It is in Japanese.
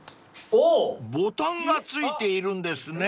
［ボタンが付いているんですね］